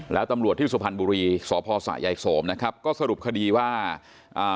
แล้วตำรวจที่สุพรรณบุรีสพสะยายโสมนะครับก็สรุปคดีว่าอ่า